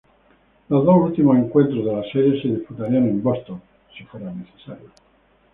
Los dos últimos encuentros de la serie se disputarían en Boston si fuera necesario.